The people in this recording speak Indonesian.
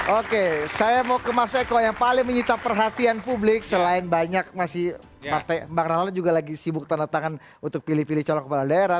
oke saya mau ke mas eko yang paling menyita perhatian publik selain banyak masih bang rala juga lagi sibuk tanda tangan untuk pilih pilih calon kepala daerah